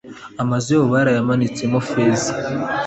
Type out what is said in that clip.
amazu yabo barayahunitsemo feza